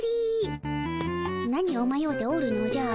何をまようておるのじゃ。